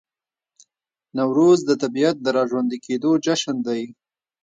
نوروز د طبیعت د راژوندي کیدو جشن دی.